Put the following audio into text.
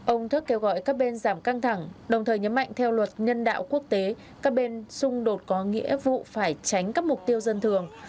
ông thức kêu gọi các bên giảm căng thẳng đồng thời nhấn mạnh theo luật nhân đạo quốc tế các bên xung đột có nghĩa vụ phải tránh các mục tiêu dân thường